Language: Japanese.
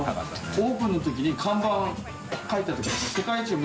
オープンの時に看板書いたときに藤森）